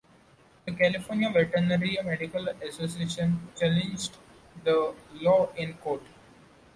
The California Veterinary Medical Association challenged the law in court.